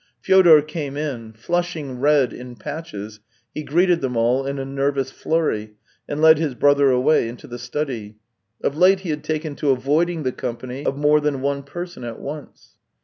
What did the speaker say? Fyodor came in. Flushing red in patches, he greeted them all in a nervous flurry, and led his brother away into the study. Of late he had taken to avoiding the company of more than one person at once.